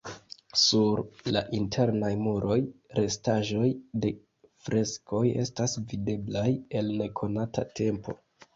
Sur la internaj muroj restaĵoj de freskoj estas videblaj el nekonata tempo.